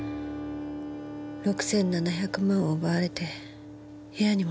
６７００万を奪われて部屋に戻ったら。